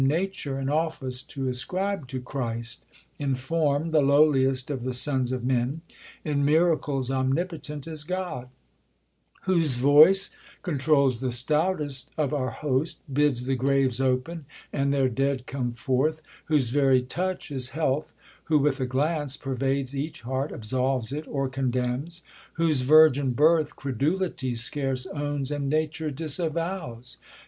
Nature, and office to ascribe to Christ ; In form the lowliest of the sons of men, In miracles omnipotent as God ; Whose voice controli^the stoutest of our host, .»^ 5 ' Bid) 210 THE COLUMBIAN ORATOR, Bids the graves open and their dead come forth ; Whose very touch is heakh ; who with a glance Pervades each heart, absolves it or condemns ; Whose virgin birth credulity scarce owns, And nature disavows.